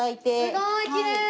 すごいきれい！